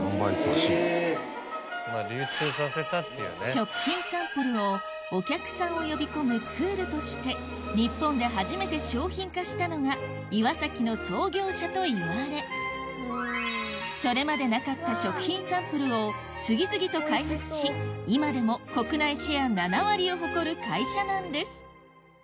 食品サンプルをお客さんを呼び込むツールとして日本で初めて商品化したのがいわさきの創業者といわれそれまでなかった食品サンプルを次々と開発し今でも国内シェア７割を誇る会社なんです